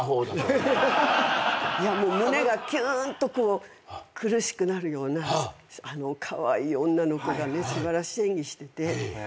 いやもう胸がキューンと苦しくなるようなカワイイ女の子がね素晴らしい演技してて。